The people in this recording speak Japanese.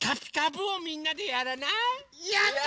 やった！